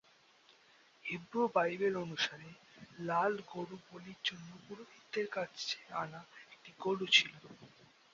Hebrew Bible অনুসারে, লাল গরু বলির জন্য পুরোহিতদের কাছে আনা একটি গরু ছিল।